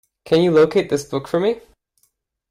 Can you locate this book for me?